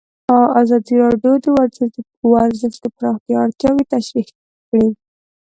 ازادي راډیو د ورزش د پراختیا اړتیاوې تشریح کړي.